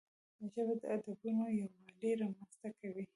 ژبه د ادبونو یووالی رامنځته کوي